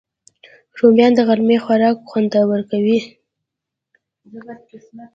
رومیان د غرمې خوراک خوندور کوي